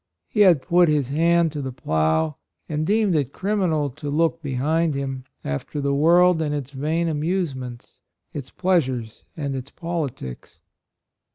He had put his hand to the plough, and deemed it crim inal "to look behind him" after the world and its vain amusements — its pleasures and its politics.